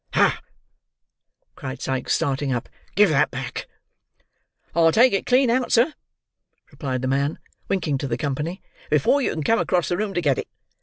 "Hah!" cried Sikes starting up. "Give that back." "I'll take it clean out, sir," replied the man, winking to the company, "before you can come across the room to get it.